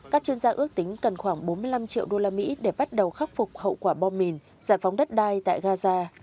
các chuyên gia ước tính cần khoảng bốn mươi năm triệu usd để bắt đầu khắc phục hậu quả bom mìn giải phóng đất đai tại gaza